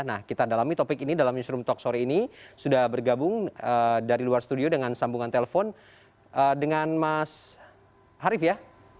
nah kita dalami topik ini dalam newsroom talk sore ini sudah bergabung dari luar studio dengan sambungan telepon dengan mas arief ya